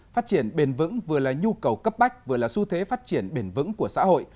phát triển bền vững vừa là nhu cầu cấp bách vừa là xu thế phát triển bền vững của xã hội